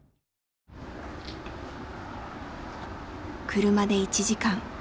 車で１時間。